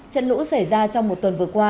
trận lũ xảy ra trong một tuần vừa qua